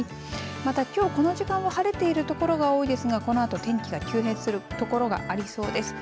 またきょうこの時間は晴れているところが多いですがこのあと天気が急変するところがありそうです。